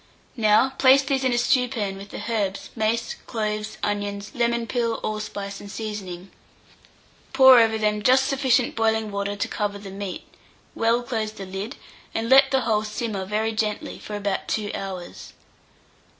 Now place these in a stewpan with the herbs, mace, cloves, onions, lemon peel, allspice, and seasoning; pour over them just sufficient boiling water to cover the meat; well close the lid, and let the whole simmer very gently for about 2 hours.